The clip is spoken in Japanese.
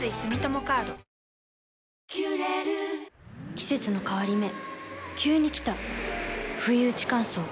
季節の変わり目急に来たふいうち乾燥。